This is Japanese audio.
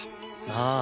さあ。